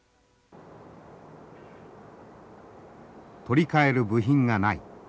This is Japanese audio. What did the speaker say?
取り替える部品がない。